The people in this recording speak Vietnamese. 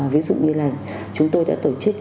ví dụ như là chúng tôi đã tổ chức